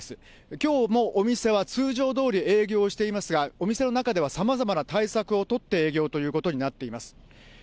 きょうもお店は通常どおり営業していますが、お店の中では、さまざまな対策を取って営業ということになっています。